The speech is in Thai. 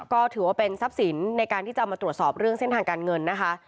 ก็ถือว่าเป็นทรัพย์สินในการที่จะมาตรวจสอบเรื่องเส้นทางการเงินนะคะ